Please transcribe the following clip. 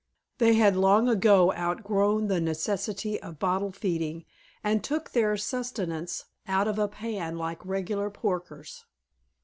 They had long ago outgrown the necessity of bottle feeding and took their sustenance out of a pan like regular porkers.